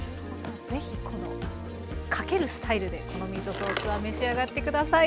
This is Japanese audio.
是非このかけるスタイルでこのミートソースは召し上がって下さい。